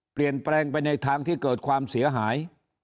เปลี่ยนแปลงไปในทางที่เกิดความเสียหาย